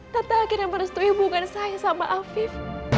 tante akhirnya merestuin hubungan saya sama afin